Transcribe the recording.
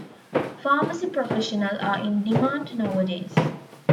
Pharmacy professional are in demand nowadays.